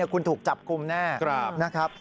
คุณถูกจับกลุ่มแน่นะครับ